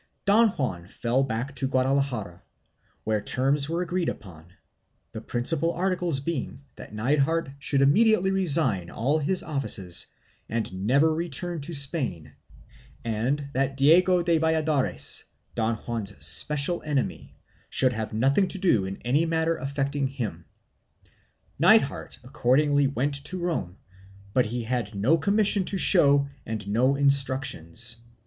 Don Juan fell back to Guadalajara, where terms were agreed upon, the principal articles being that Nithard should imme diately resign all his offices and never return to Spain and that CHAP. I] THE INQUISITOR GENERALSHIP 313 Diego de Valladares, Don Juan's special enemy, should have nothing to do in any matter affecting him. Nithard accordingly went to Rome, but he had no commission to show and no instruc tions.